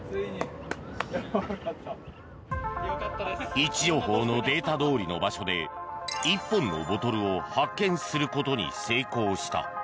位置情報のデータどおりの場所で１本のボトルを発見することに成功した。